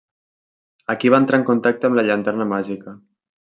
Aquí va entrar en contacte amb la llanterna màgica.